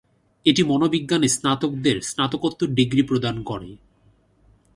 এটি মনোবিজ্ঞানে স্নাতকদের স্নাতকোত্তর ডিগ্রি প্রদান করে।